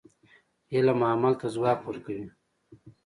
علم عمل ته ځواک ورکوي.